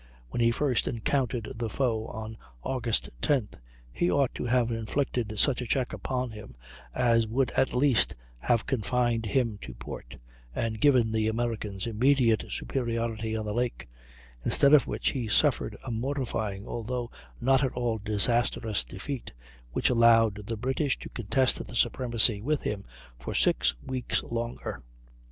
When he first encountered the foe, on August 10th, he ought to have inflicted such a check upon him as would at least have confined him to port and given the Americans immediate superiority on the lake; instead of which he suffered a mortifying, although not at all disastrous, defeat, which allowed the British to contest the supremacy with him for six weeks longer.